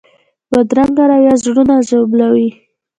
بدرنګه رویه زړونه ژوبلوي